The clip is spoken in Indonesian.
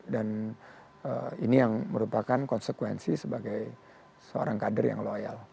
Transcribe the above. dan ini yang merupakan konsekuensi sebagai seorang kader yang loyal